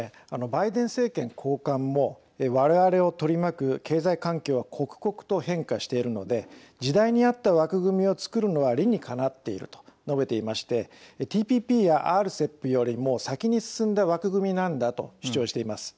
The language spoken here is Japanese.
バイデン政権高官もわれわれを取り巻く経済環境は刻々と変化しているので時代に合った枠組みを作るのは理にかなっていると述べていましてＴＰＰやＲＣＥＰよりも先に進んだ枠組みなんだと主張しています。